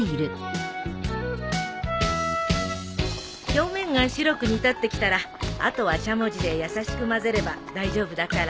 表面が白く煮立ってきたらあとはしゃもじで優しく混ぜれば大丈夫だから。